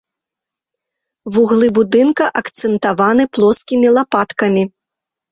Вуглы будынка акцэнтаваны плоскімі лапаткамі.